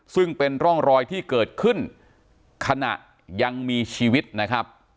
ซึ่งเป็นร่องรอยที่เกิดขึ้นขณะยังมีชีวิตนะครับ